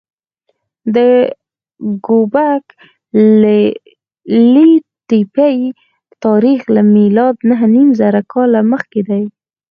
د ګوبک لي تپې تاریخ له میلاده نههنیمزره کاله مخکې دی.